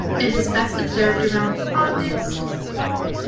It is best observed around August.